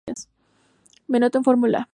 Benetton Formula Ltd.